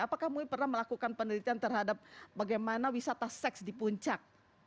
apakah mui pernah melakukan penelitian terhadap bagaimana wisata seks di puncak